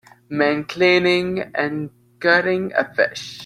Man cleaning and gutting a fish.